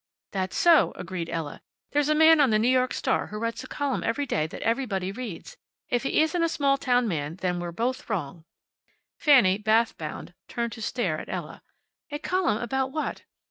"That's so," agreed Ella. "There's a man on the New York Star who writes a column every day that everybody reads. If he isn't a small town man then we're both wrong." Fanny, bathward bound, turned to stare at Ella. "A column about what?"